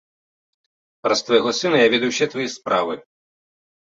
Праз твайго сына я ведаю ўсе твае справы.